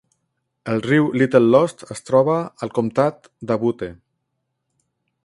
El riu Little Lost es troba al comtat de Butte.